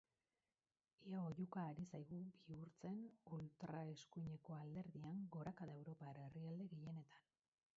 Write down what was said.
Ia ohikoa ari zaigu bihurtzen ultraeskuineko alderdien gorakada europar herrialde gehienetan.